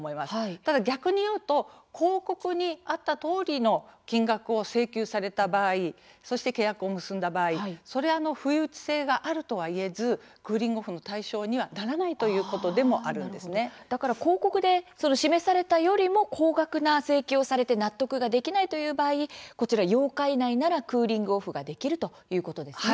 ただ逆に言うと広告にあったとおりの金額を請求された場合そして契約を結んだ場合それは不意打ち性があるとは言えずクーリング・オフの対象にならない広告で示されたよりも高額な請求をされて納得できない場合は８日以内ならクーリング・オフができるということですね。